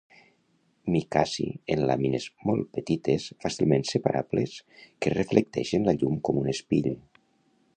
Micaci en làmines molt petites fàcilment separables que reflecteixen la llum com un espill